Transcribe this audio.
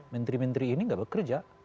menteri menteri ini tidak bekerja